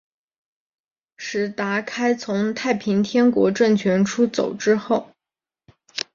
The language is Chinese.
石达开从太平天国政权出走之后。